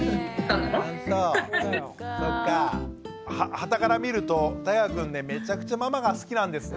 はたから見るとたいがくんねめちゃくちゃママが好きなんですね。